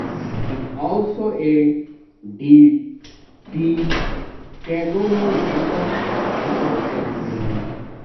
It is also a dodecagonal number and a centered triangular number.